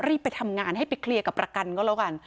ไปทำงานให้ไปเคลียร์กับประกันก็แล้วกัน